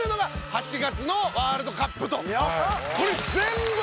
８月のワールドカップ。